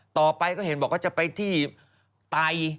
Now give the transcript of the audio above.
ต่อไปก็เห็นบอกว่าจะไปที่ไต